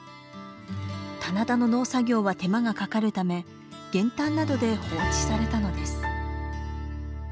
棚田の農作業は手間がかかるため減反などで放置されたのです。